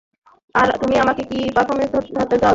আর তুমি আমাকে দিয়ে থার্মোকল ধরাতে চাও?